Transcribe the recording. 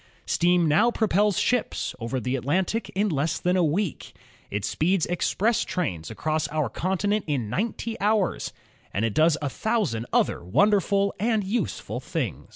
Steam now propels ships over the At lantic in less than a week. It speeds express trains across our continent in ninety hours, and it does a thousand other wonderful and useful things.